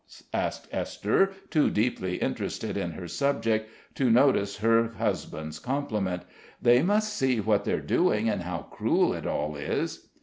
asked Esther, too deeply interested in her subject to notice her husband's compliment. "They must see what they're doing, and how cruel it all is."